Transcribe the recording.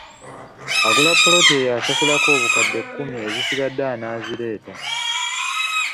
Agula ppoloti eyo asasuleko obukadde kkumi ezisigadde anaazireeta.